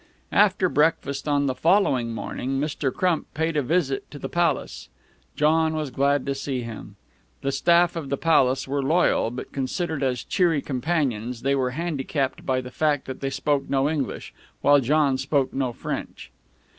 After breakfast on the following morning Mr. Crump paid a visit to the Palace. John was glad to see him. The staff of the Palace were loyal, but considered as cheery companions, they were handicapped by the fact that they spoke no English, while John spoke no French.